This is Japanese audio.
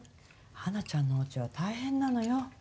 花ちゃんのおうちは大変なのよ。